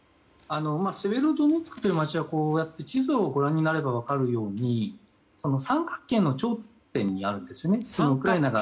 セベロドネツクという街は地図をご覧になれば分かるように三角形の頂点にあるんですね。